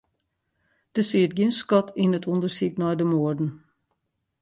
Der siet gjin skot yn it ûndersyk nei de moarden.